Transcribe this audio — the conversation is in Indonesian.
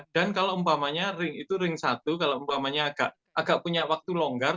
dan kalau umpamanya itu ring satu kalau umpamanya agak punya waktu longgar